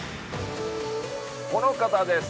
この方です！